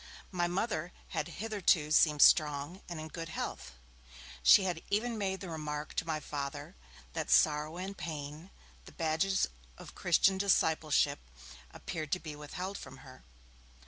My Mother had hitherto seemed strong and in good health; she had even made the remark to my Father, that 'sorrow and pain, the badges of Christian discipleship', appeared to be withheld from her.